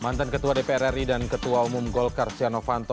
mantan ketua dpr ri dan ketua umum golkar stiano fanto